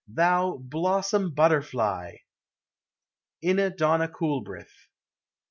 thou blossom butterfly ! INA DONNA COOLBRITH.